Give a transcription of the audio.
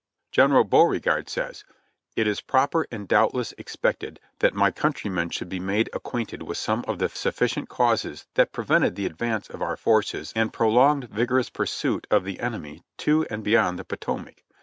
'' General Beaure gard says : "It is proper and doubtless expected that my coun trymen should be made acquainted with some of the sufftcient causes that prevented the advance of our forces and prolonged, vigorous pursuit of the enemy to and beyond the Potomac.